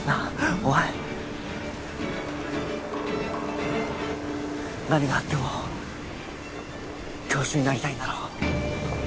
お前何があっても教師になりたいんだろ？